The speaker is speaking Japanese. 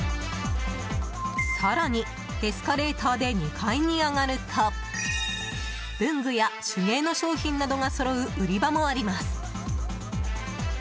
更に、エスカレーターで２階に上がると文具や手芸の商品などがそろう売り場もあります。